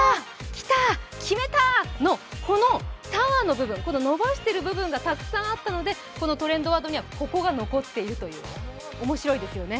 最後の「たーーーーー」の部分、伸ばしている部分がたくさんあったので、このトレンドワードにはここが残っているという、面白いですよね。